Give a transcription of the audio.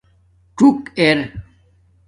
څُݸک ار